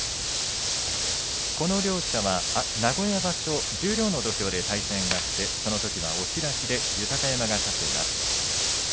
この両者は名古屋場所十両の土俵で対戦があってそのときは押し出しで豊山が勝っています。